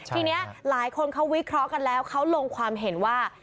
ทีนี้หลายคนเขาวิเคราะห์กันแล้วเขาลงความเห็นว่า